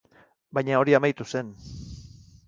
Baina hori amaitu zen.